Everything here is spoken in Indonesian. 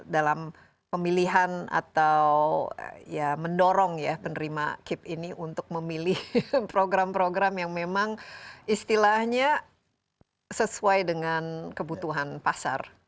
dalam pemilihan atau ya mendorong ya penerima kip ini untuk memilih program program yang memang istilahnya sesuai dengan kebutuhan pasar